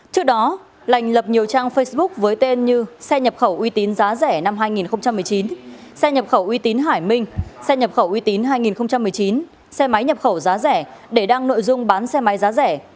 trước đó lành lập nhiều trang facebook với tên như xe nhập khẩu uy tín giá rẻ năm hai nghìn một mươi chín xe nhập khẩu uy tín hải minh xe nhập khẩu uy tín hai nghìn một mươi chín xe máy nhập khẩu giá rẻ để đăng nội dung bán xe máy giá rẻ